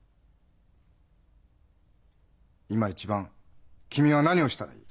今一番君は何をしたらいい？